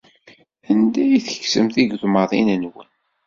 Anda ay tekksem tigeḍmatin-nwen?